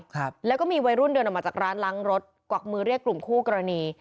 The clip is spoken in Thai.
ครับแล้วก็มีวัยรุ่นเดินออกมาจากร้านล้างรถกวักมือเรียกกลุ่มคู่กรณี